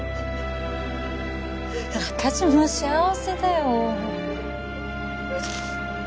私も幸せだよ